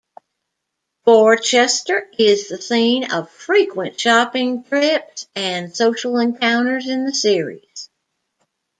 Borchester is the scene of frequent shopping trips and social encounters in the series.